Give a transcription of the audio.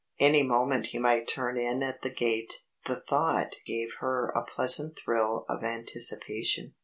Any moment he might turn in at the gate. The thought gave her a pleasant thrill of anticipation.